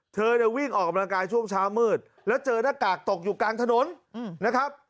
เธอเนี่ยวิ่งออกกำลังกายช่วงเช้ามืดแล้วเจอหน้ากากตกอยู่กลางถนนนะครับ